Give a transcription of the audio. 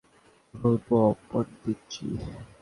কী বলবো, পন্ডিতজি।